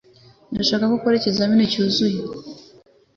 Ndashaka ko ukora ikizamini cyuzuye.